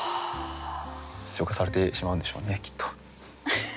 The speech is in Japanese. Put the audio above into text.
消化されてしまうんでしょうねきっと。